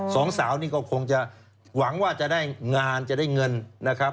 สองสาวนี่ก็คงจะหวังว่าจะได้งานจะได้เงินนะครับ